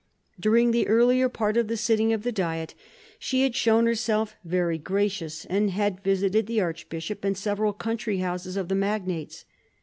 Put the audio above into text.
During the earlier part of the sitting of the Diet, she had shown herself very gracious, and had visited the archbishop and several country houses of the magnates.